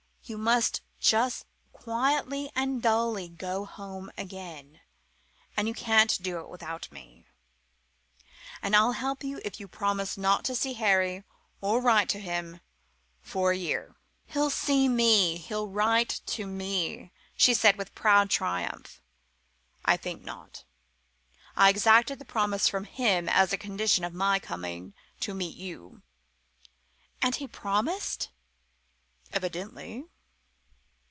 You must just quietly and dully go home again. And you can't do it without me. And I'll help you if you'll promise not to see Harry, or write to him for a year." "He'll see me. He'll write to me," she said with proud triumph. "I think not. I exacted the promise from him as a condition of my coming to meet you." "And he promised?" "Evidently."